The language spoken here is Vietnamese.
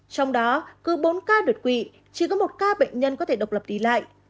trong đó cứ bốn ca đột quỵ chỉ có một ca bệnh nhân có thể độc lập đi lại